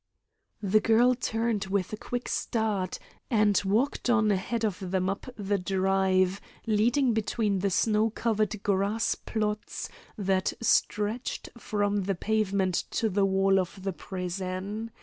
The girl turned with a quick start, and walked on ahead of them up the drive leading between the snow covered grass plots that stretched from the pavement to the wall of the prison.